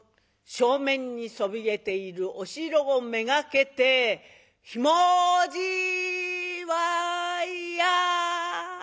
正面にそびえているお城を目がけて「ひもじいわいや！」。